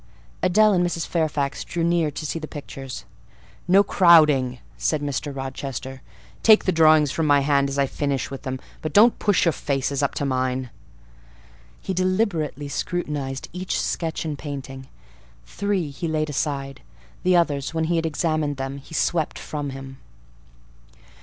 Adèle and Mrs. Fairfax drew near to see the pictures. "No crowding," said Mr. Rochester: "take the drawings from my hand as I finish with them; but don't push your faces up to mine." He deliberately scrutinised each sketch and painting. Three he laid aside; the others, when he had examined them, he swept from him.